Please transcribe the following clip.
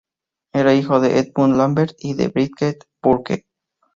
Era hijo de Edmund Lambert y de Bridget Bourke.